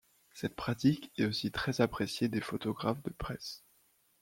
Cette pratique est aussi très appréciée des photographes de presse.